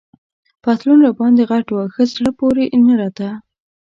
پتلون راباندي غټ وو، ښه زړه پورې نه راته.